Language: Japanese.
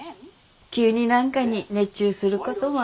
急に何かに熱中することもあろうえ。